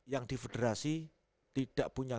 yang di federasi tidak punya